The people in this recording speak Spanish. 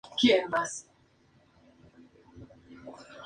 El videojuego usa espacio vertical para enfatizar el tamaño pequeño del niño.